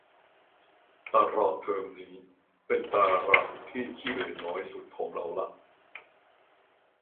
ตารางเทอมนี้เป็นตารางที่ขี้เหร่น้อยสุดของเราละ